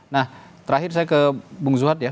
nah terakhir saya ke bung zuhad ya